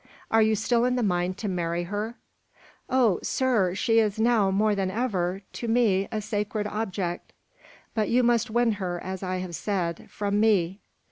Are you still in the mind to marry her?" "Oh, sir! she is now, more than ever, to me a sacred object." "But you must win her, as I have said, from me."